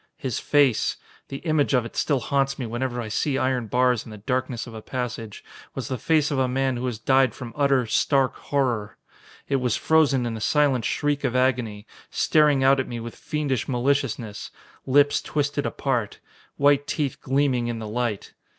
His face the image of it still haunts me whenever I see iron bars in the darkness of a passage was the face of a man who has died from utter, stark horror. It was frozen in a silent shriek of agony, staring out at me with fiendish maliciousness. Lips twisted apart. White teeth gleaming in the light.